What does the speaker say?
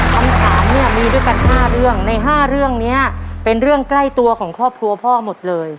คำถามเนี่ยมีด้วยกัน๕เรื่องใน๕เรื่องนี้เป็นเรื่องใกล้ตัวของครอบครัวพ่อหมดเลย